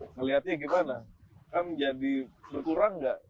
ngelihatnya gimana kan jadi berkurang nggak